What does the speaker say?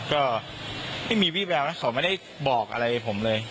ก็ไม่มีวี่แววนะเขาไม่ได้บอกอะไรผมเลย